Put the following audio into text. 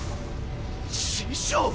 師匠！